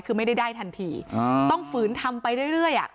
คือไม่ได้ได้ทันทีอ่าต้องฝืนทำไปเรื่อยเรื่อยอ่ะ